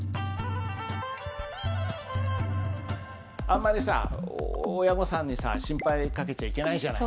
あんまりさ親御さんにさ心配かけちゃいけないじゃない？